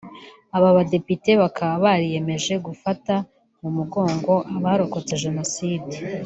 Aba badepite bakaba bariyemeje gufata mu mugongo abarokotse Jenoside